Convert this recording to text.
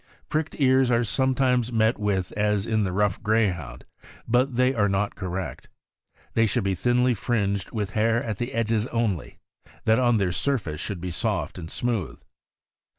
Pricked ears are sometimes met with, as in the rough Greyhound, but they are not correct. They should be thinly fringed with hair at the edges only; that on their surface should be soft and smooth.